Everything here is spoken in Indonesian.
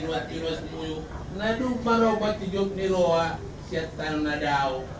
saya ingin selalu mengucapkan salam kepada anda